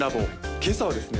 今朝はですね